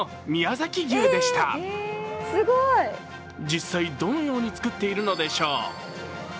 実際、どのように作っているのでしょう。